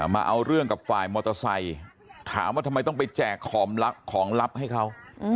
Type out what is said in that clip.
มาเอาเรื่องกับฝ่ายมอเตอร์ไซค์ถามว่าทำไมต้องไปแจกของลับให้เขา